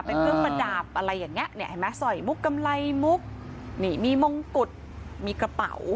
เป็นเครื่องประดับอะไรอย่างนี้เนี่ยเห็นไหมสอยมุกกำไรมมุกนี่มีมงกุฎมีกระเป๋า